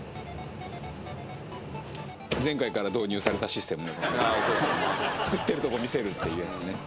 前回から導入されたシステムね作ってるとこ見せるっていうやつね